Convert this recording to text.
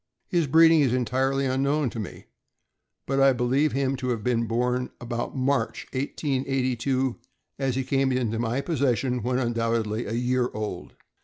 His breeding is entirely unknown to me, but I believe him to have been born about March, 1882, as he came into my pos session when undoubtedly a year old.